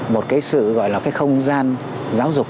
một cái sự gọi là không gian giáo dục